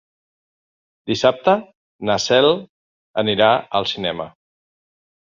Dissabte na Cel anirà al cinema.